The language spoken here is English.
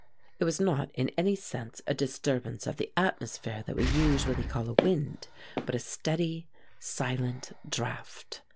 It was not in any sense a disturbance of the atmosphere that we usually call a wind, but a steady, silent draught.